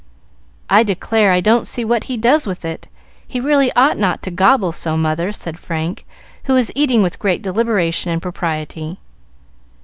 "I declare I don't see what he does with it! He really ought not to 'gobble' so, mother," said Frank, who was eating with great deliberation and propriety.